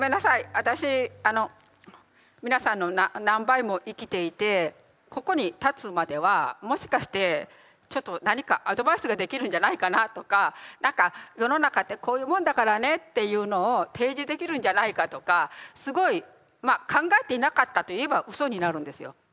私皆さんの何倍も生きていてここに立つまではもしかしてちょっと何かアドバイスができるんじゃないかなとか何か世の中ってこういうもんだからねっていうのを提示できるんじゃないかとかすごいまあ考えていなかったと言えばうそになるんですよ。